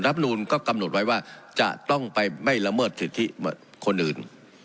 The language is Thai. นูลก็กำหนดไว้ว่าจะต้องไปไม่ละเมิดสิทธิคนอื่น